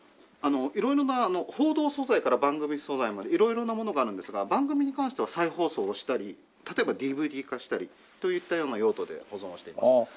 あの色々な報道素材から番組素材まで色々なものがあるんですが番組に関しては再放送をしたり例えばＤＶＤ化したりといったような用途で保存をしています。